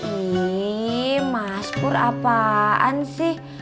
ih mas pur apaan sih